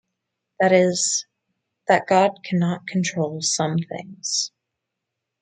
That is, that God cannot control some things.